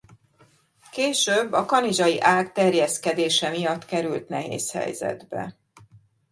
Később a kanizsai ág terjeszkedése miatt került nehéz helyzetbe.